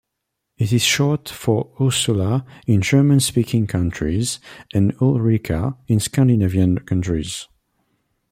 It is short for Ursula in German-speaking countries and Ulrika in Scandinavian countries.